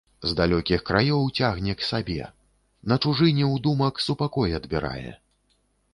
З далёкіх краёў цягне к сабе, на чужыне ў думак супакой адбірае.